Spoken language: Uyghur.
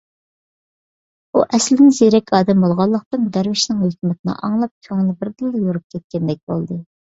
ئۇ ئەسلىدىن زېرەك ئادەم بولغانلىقتىن، دەرۋىشنىڭ ھۆكمىتىنى ئاڭلاپ، كۆڭلى بىردىنلا يورۇپ كەتكەندەك بولدى.